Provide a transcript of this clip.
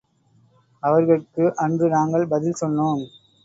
அவர்கட்கு அன்று நாங்கள் பதில் சொன்னோம்.